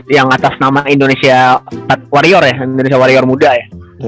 yang atas nama indonesia warrior ya indonesia warrior muda ya